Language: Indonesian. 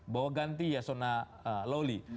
bahwa ganti yeson aluli